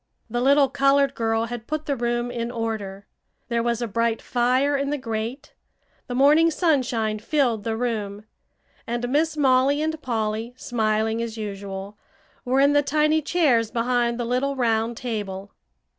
The little colored girl had put the room in order; there was a bright fire in the grate, the morning sunshine filled the room, and Miss Molly and Polly, smiling as usual, were in the tiny chairs behind the little round table.